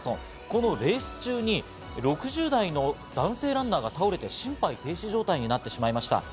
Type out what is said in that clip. このレース中に６０代の男性ランナーが倒れて心肺停止状態になってしまいました。